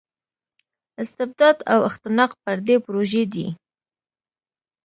استبداد او اختناق پردۍ پروژې دي.